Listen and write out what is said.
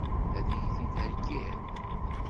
Ad iyi-t-id-theggiḍ?